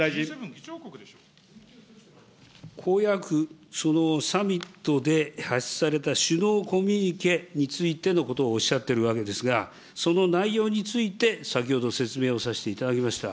公約、そのサミットで発出された首脳コミュニケについておっしゃっているわけですが、その内容について先ほど説明をさせていただきました。